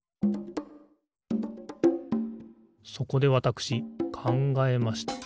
そこでわたしくかんがえました。